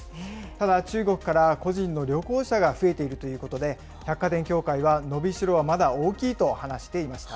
ただ、中国から個人の旅行者が増えているということで、百貨店協会は伸びしろはまだ大きいと話していました。